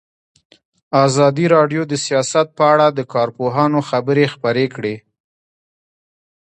ازادي راډیو د سیاست په اړه د کارپوهانو خبرې خپرې کړي.